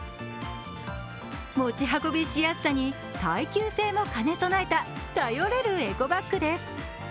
持ち運びしやすさに耐久性も兼ね備えた頼れるエコバッグです。